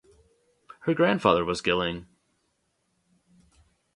Her grandfather was Gilling.